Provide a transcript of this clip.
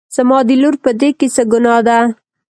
زما د لور په دې کې څه ګناه ده